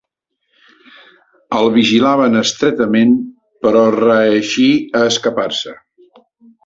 El vigilaven estretament, però reeixí a escapar-se.